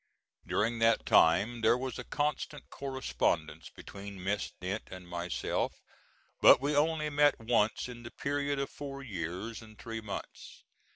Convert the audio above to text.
During that time there was a constant correspondence between Miss Dent and myself, but we only met once in the period of four years and three months.